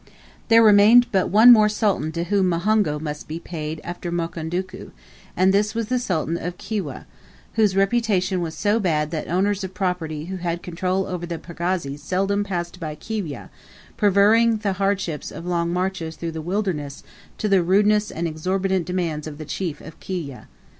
There remained but one more sultan to whom muhongo must be paid after Mukondoku, and this was the Sultan of Kiwyeh, whose reputation was so bad that owners of property who had control over their pagazis seldom passed by Kiwyeh, preferring the hardships of long marches through the wilderness to the rudeness and exorbitant demands of the chief of Kiwyeh.